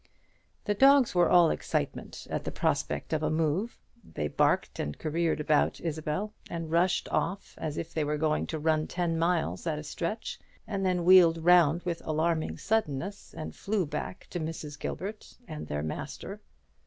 The dogs were all excitement at the prospect of a move; they barked and careered about Isabel, and rushed off as if they were going to run ten miles at a stretch, and then wheeled round with alarming suddenness and flew back to Mrs. Gilbert and their master.